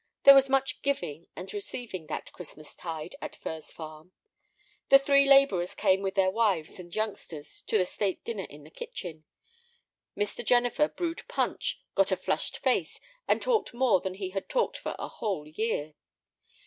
There was much giving and receiving that Christmas tide at Furze Farm. The three laborers came with their wives and youngsters to the state dinner in the kitchen. Mr. Jennifer brewed punch, got a flushed face, and talked more than he had talked for a whole year.